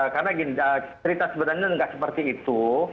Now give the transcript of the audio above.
karena cerita sebenarnya nggak seperti itu